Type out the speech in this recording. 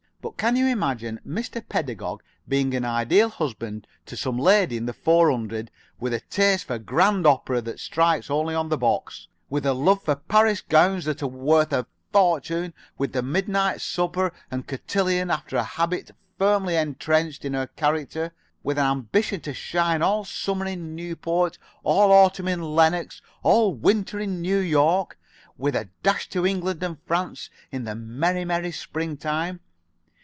But can you imagine Mr. Pedagog being an Ideal Husband to some lady in the Four Hundred, with a taste for grand opera that strikes only on the box; with a love for Paris gowns that are worth a fortune; with the midnight supper and cotillion after habit firmly intrenched in her character; with an ambition to shine all summer at Newport, all autumn at Lenox, all winter at New York, with a dash to England and France in the merry, merry springtime?